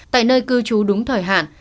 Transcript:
tại nơi cư trú đúng thời hạn